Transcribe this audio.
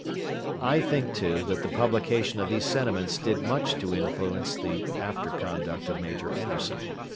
I think, too, that the publication of these sentiments did much to influence the after conduct of Major Anderson.